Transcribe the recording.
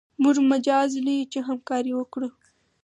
موږ مجاز نه یو چې همکاري وکړو.